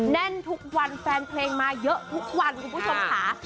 แน่นทุกวันแฟนเพลงมาเยอะทุกวันคุณผู้ชมค่ะ